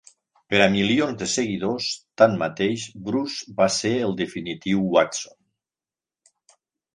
Per a milions de seguidors, tanmateix, Bruce va ser el definitiu Watson.